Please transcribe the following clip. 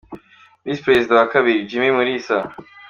Visi Perezida wa kabiri: Jimmy Mulisa .